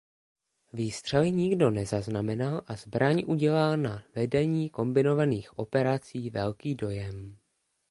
Výstřely nikdo nezaznamenal a zbraň udělala na vedení kombinovaných operací velký dojem.